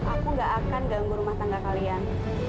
aku gak akan ganggu rumah tangga kalian